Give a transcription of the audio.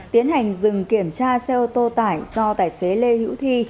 tiến hành dừng kiểm tra xe ô tô tải do tài xế lê hữu thi